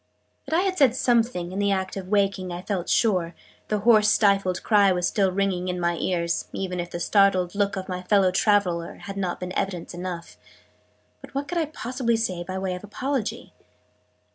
That I had said something, in the act of waking, I felt sure: the hoarse stifled cry was still ringing in my ears, even if the startled look of my fellow traveler had not been evidence enough: but what could I possibly say by way of apology?